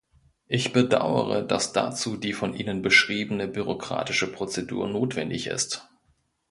Ich bedaure, dass dazu die von Ihnen beschriebene bürokratische Prozedur notwendig ist.